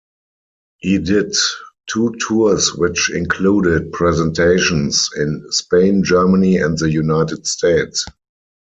He did two tours which included presentations in Spain, Germany, and the United States.